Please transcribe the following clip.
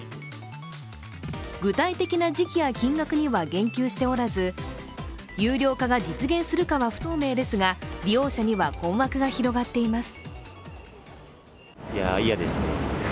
具体的な時期や金額には言及しておらず有料化が実現するかは不透明ですが利用者には困惑が広がっています。